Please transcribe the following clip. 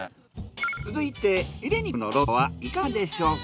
続いてフィレ肉のローストはいかがでしょうか？